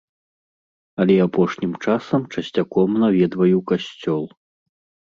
Але апошнім часам часцяком наведваю касцёл.